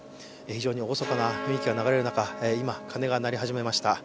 非常に厳かな雰囲気が流れる中、今鐘が鳴り始めました。